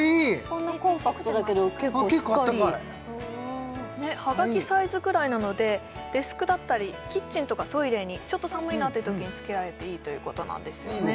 こんなコンパクトだけど結構しっかり結構あったかいはがきサイズぐらいなのでデスクだったりキッチンとかトイレにちょっと寒いなっていうときにつけられていいということなんですよね